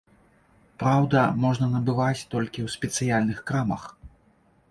Праўда, можна набываць толькі ў спецыяльных крамах.